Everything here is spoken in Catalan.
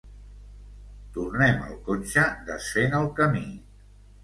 Tornem al cotxe desfent el camí.